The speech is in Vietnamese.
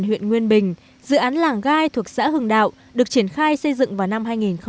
nguyễn nguyên bình dự án làng gai thuộc xã hường đạo được triển khai xây dựng vào năm hai nghìn tám